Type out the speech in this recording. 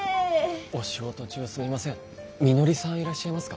お仕事中すみません。